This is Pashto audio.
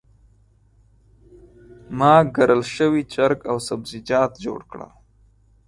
ما ګرل شوي چرګ او سبزیجات جوړ کړل.